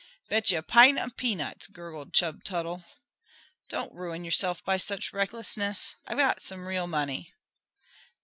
"Bet you a pint of peanuts," gurgled Chub Tuttle. "Don't ruin yourself by such recklessness. I've got some real money."